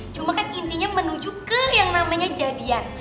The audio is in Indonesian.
cuma kan intinya menuju ke yang namanya jadian